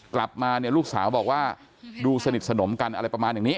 กลับมาเนี่ยลูกสาวบอกว่าดูสนิทสนมกันอะไรประมาณอย่างนี้